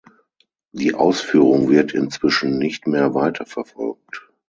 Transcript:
Die Ausführung wird inzwischen nicht mehr weiterverfolgt.